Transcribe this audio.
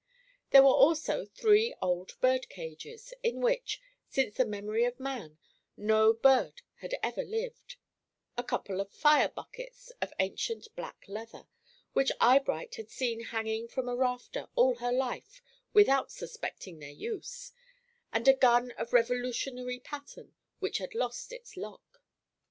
There were also three old bird cages, in which, since the memory of man, no bird had ever lived; a couple of fire buckets of ancient black leather, which Eyebright had seen hanging from a rafter all her life without suspecting their use, and a gun of Revolutionary pattern which had lost its lock.